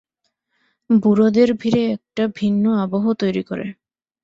বুড়োদের ভীরে একটা ভিন্ন আবহ তৈরি করে।